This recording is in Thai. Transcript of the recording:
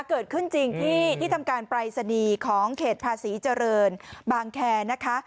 เกิดขึ้นจริงที่ทำการปรายศนีย์ของเขตภาษีเจริญบางแคร์นะคะ